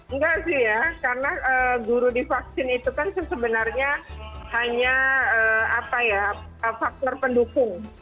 enggak sih ya karena guru di vaksin itu kan sebenarnya hanya faktor pendukung